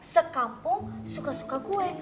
sekampung suka suka gue